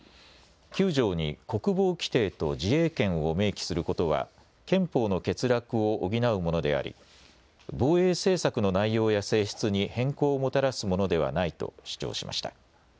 ９条に国防規定と自衛権を明記することは憲法の欠落を補うものであり防衛政策の内容や性質に変更をもたらすものではないと主張しました。